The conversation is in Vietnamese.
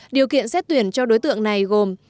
điều kiện xét tuyển cho đối tượng này gồm